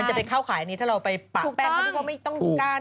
มันจะเป็นข้าวขายอันนี้ถ้าเราไปปัดแปลงเขาที่เขาไม่ต้องการ